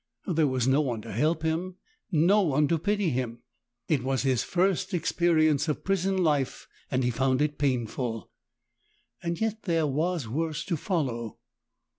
There was no one to help him, no one to pity him. It was his first experience of prison life and he found it painful. Yet there was worse to follow.